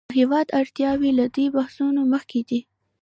د هېواد اړتیاوې له دې بحثونو مخکې دي.